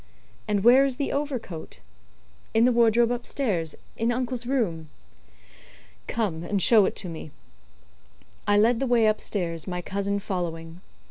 "And where is the overcoat?" "In the wardrobe upstairs, in uncle's room." "Come and show it to me." I led the way upstairs, my cousin following.